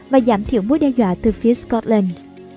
và giảm thiểu mối đe dọa từ phía scotland